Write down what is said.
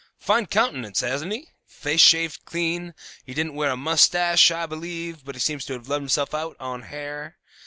Fine countenance, hasn't he? face shaved clean; he didn't wear a moustache, I believe, but he seems to have let himself out on hair.